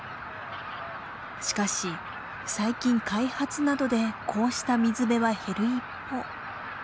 しかし最近開発などでこうした水辺は減る一方。